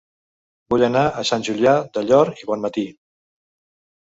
Vull anar a Sant Julià del Llor i Bonmatí